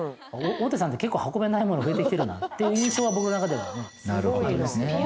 大手さんって結構運べない物増えてきてるなっていう印象は僕の中ではねありますね